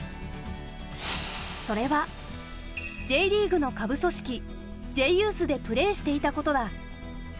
それはＪリーグの下部組織Ｊユースでプレーしていたことだ。